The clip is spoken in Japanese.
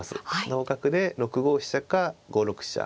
同角で６五飛車か５六飛車。